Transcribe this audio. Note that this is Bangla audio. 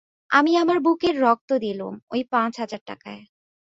আমি আমার বুকের রক্ত দিলুম, ঐ পাঁচ হাজার টাকায়।